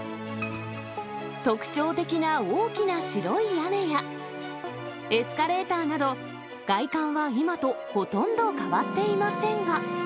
特徴的な大きな白い屋根や、エスカレーターなど、外観は今とほとんど変わっていませんが。